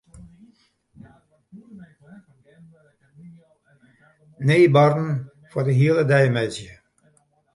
Nij barren foar de hiele dei meitsje.